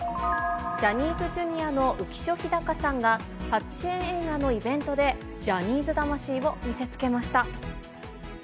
ジャニーズＪｒ．の浮所飛貴さんが、初主演映画のイベントで、ジャニーズ魂を見せつけました。